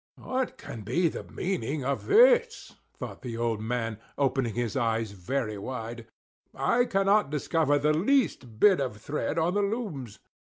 "What can be the meaning of this?" thought the old man, opening his eyes very wide. "I cannot discover the least bit of thread on the looms."